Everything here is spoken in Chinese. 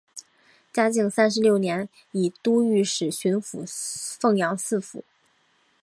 嘉靖三十六年以都御史巡抚凤阳四府。